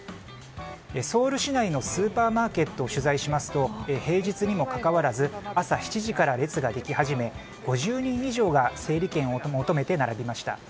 ソウル市内のスーパーマーケットを取材しますと平日にもかかわらず朝７時から列ができ始め５０人以上が整理券を求めて並びました。